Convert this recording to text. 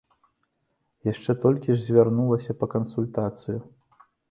Яшчэ столькі ж звярнулася па кансультацыю.